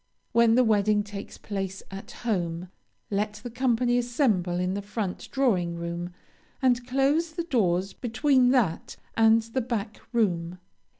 When the wedding takes place at home, let the company assemble in the front drawing room, and close the doors between that and the back room.